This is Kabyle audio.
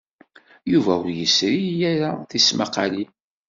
Yuba ur yesri ara tismaqqalin.